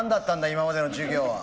今までの授業は。